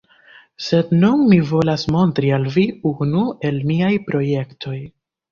Sed nun mi volas montri al vi unu el miaj projektoj.